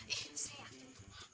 ih ini saya yakin tuh